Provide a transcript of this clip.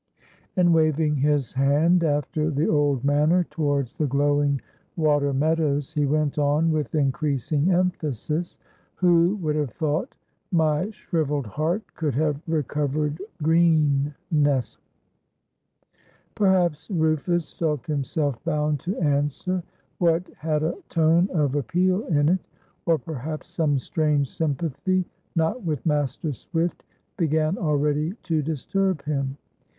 And, waving his hand after the old manner towards the glowing water meadows, he went on with increasing emphasis:— "Who would have thought my shrivelled heart Could have recovered greennesse?" Perhaps Rufus felt himself bound to answer what had a tone of appeal in it, or perhaps some strange sympathy, not with Master Swift, began already to disturb him.